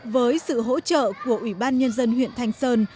với sự hỗ trợ của ubnd huyện thanh sơn